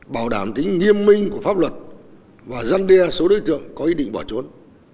bảo đảm tính nghiêm minh của pháp luật và răn đe số đối tượng có ý định bỏ trốn